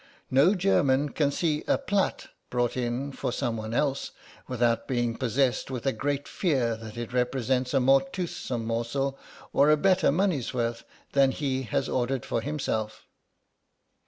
No German can see a plat brought in for someone else without being possessed with a great fear that it represents a more toothsome morsel or a better money's worth than what he has ordered for himself."